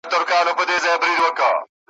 د تور سره او زرغون بیرغ کفن به راته جوړ کې ,